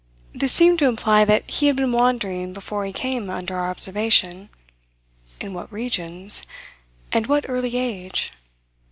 This seemed to imply that he had been wandering before he came under our observation. In what regions? And what early age?